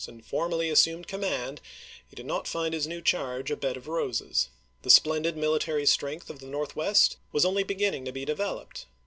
and formally assumed command, he did not find his new charge a bed of roses. The splendid mili tary strength of the Northwest was only begin ning to be developed.